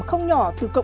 không nhiều hơn